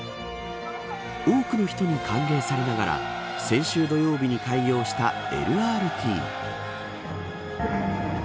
多くの人に歓迎されながら先週土曜日に開業したＬＲＴ。